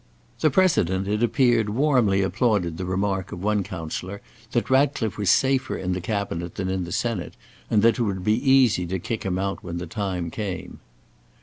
The President, it appeared, warmly applauded the remark of one counsellor, that Ratcliffe was safer in the Cabinet than in the Senate, and that it would be easy to kick him out when the time came.